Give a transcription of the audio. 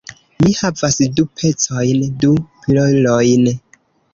Mi havas du pecojn. Du pilolojn.